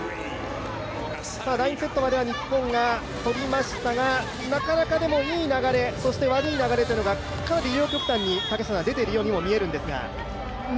第２セットまでは日本が取りましたが、なかなかいい流れ、そして悪い流れというのがかなり両極端に出ているように見えるんですが。